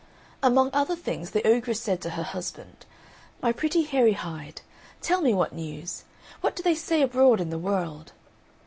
Among other things the ogress said to her husband, "My pretty Hairy Hide, tell me what news; what do they say abroad in the world?"